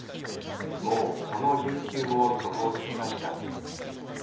もうその有給も底をつきました。